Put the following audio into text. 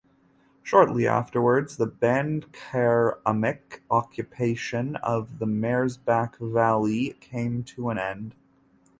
Shortly afterwards, the Bandkeramik occupation of the Merzbach Valley came to an end.